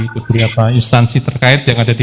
beberapa instansi terkait yang ada di